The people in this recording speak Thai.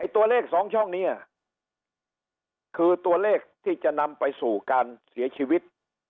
ตัวเลข๒ช่องนี้คือตัวเลขที่จะนำไปสู่การเสียชีวิต